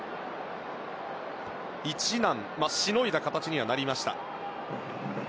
一難しのいだ形にはなりました。